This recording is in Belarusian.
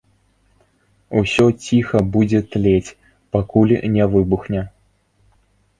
Усё ціха будзе тлець, пакуль не выбухне.